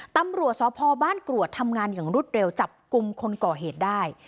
ตำรวจสพบ้านกรวดทำงานอย่างรวดเร็วจับกลุ่มคนก่อเหตุได้